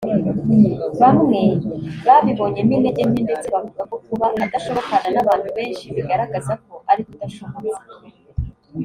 bamwe babibonyemo intege nke ndetse bavuga ko kuba adashobokana n’abantu benshi bigaragaza ko ari we udashobotse